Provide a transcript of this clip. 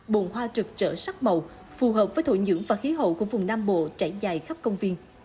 bồn hoa trực trở sắc màu phù hợp với thổ nhưỡng và khí hậu của vùng nam bộ trải dài khắp công viên